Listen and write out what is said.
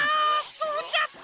そうじゃった！